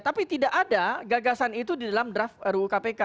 tapi tidak ada gagasan itu di dalam draft ruu kpk